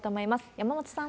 山本さん。